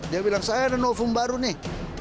dia bilang saya ada novum baru nih